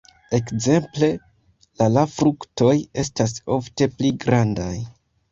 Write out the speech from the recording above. Ekzemple la la fruktoj estas ofte pli grandaj.